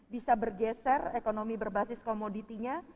bisa bergeser ekonomi berbasis komoditinya